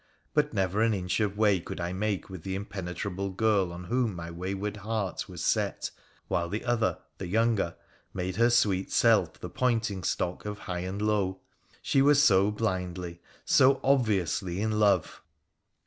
But never an inch of way could I make with the impenetrable girl on whom my wayward heart was set, while the other — the younger — made her sweet self the pointing stock of high and low, she was so blindly, so obviously in love.